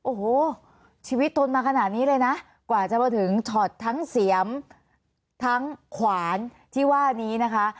โอ้โหชีวิตทนมาขนาดนี้เลยนะกว่าจะมาถึงช็อตทั้งเสียมทั้งขวานที่ว่านี้นะคะ